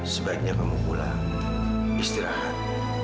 sebaiknya kamu pulang istirahat